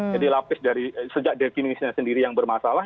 jadi lapis dari sejak definisinya sendiri yang bermasalah